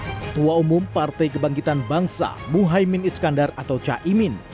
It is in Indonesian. ketua umum partai kebangkitan bangsa muhaymin iskandar atau caimin